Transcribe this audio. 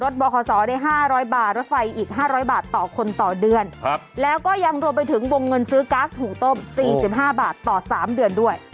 ใช้เมียได้ตลอด